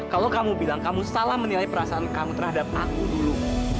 kalau kamu bilang kamu salah menilai perasaan kamu terhadap aku dulu